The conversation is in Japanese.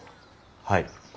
はい。